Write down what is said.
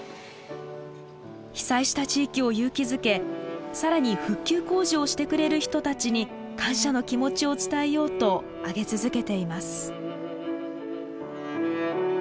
被災した地域を勇気づけ更に復旧工事をしてくれる人たちに感謝の気持ちを伝えようと揚げ続けています。